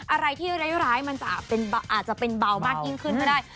อะไรที่ร้ายมันอาจจะเป็นเบามากยิ่งขึ้นก็ได้